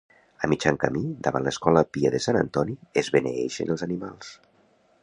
A mitjan camí, davant l’Escola Pia de Sant Antoni, es beneeixen els animals.